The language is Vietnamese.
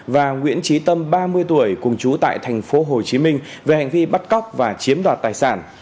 và nguyễn trí tâm ba mươi tuổi cùng chú tại thành phố hồ chí minh về hành vi bắt cóc và chiếm đoạt tài sản